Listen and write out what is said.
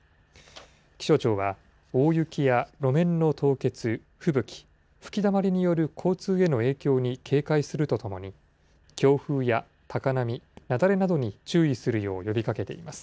気象庁は、大雪や路面の凍結、吹雪、吹きだまりによる交通への影響に警戒するとともに、強風や高波、雪崩などに注意するよう呼びかけています。